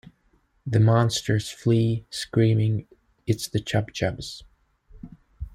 The monsters flee, screaming, It's the ChubbChubbs!